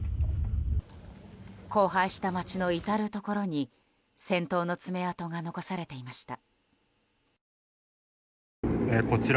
荒廃した街の至るところに戦闘の爪痕が残されていました。